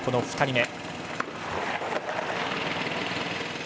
２人目。